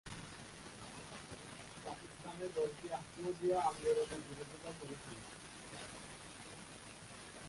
পাকিস্তানে দলটি আহমদিয়া আন্দোলনের বিরোধিতা করেছিল।